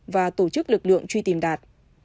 và tổ chức lực lượng truy tìm đạt